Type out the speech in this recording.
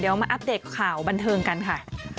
เดี๋ยวมาอัปเดตข่าวบันเทิงกันค่ะ